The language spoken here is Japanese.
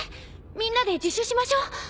みんなで自首しましょう。